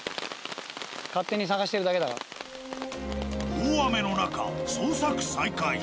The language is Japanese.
大雨の中捜索再開。